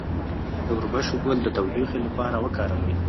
د وربشو ګل د تودوخې لپاره وکاروئ